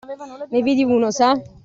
Ne vidi uno sa?